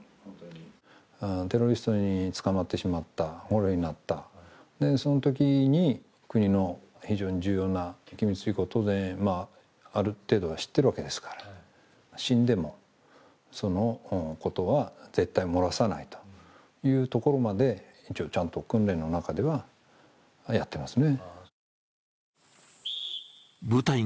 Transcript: テロリストに捕まってしまった、捕虜になった、そのときに国の非常に重要な機密事項、当然、ある程度はしっているわけですから、死んでもそのことは絶対漏らさないというところまで一応ちゃんと訓練の中ではやってますね。